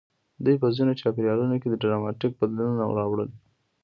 دوی په ځینو چاپېریالونو کې ډراماتیک بدلونونه راوړل.